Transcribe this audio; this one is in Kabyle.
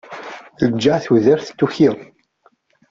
Tenǧeɛ tudert tuki.